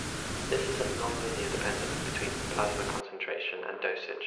This is a nonlinear dependence between plasma concentration and dosage.